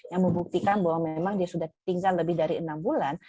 yang membuktikan bahwa memang dia sudah tinggal lebih dari enam bulan